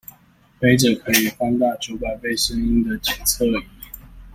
揹著可以放大九百倍聲音的檢測儀